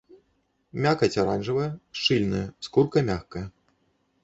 Мякаць аранжавая, шчыльная, скурка мяккая.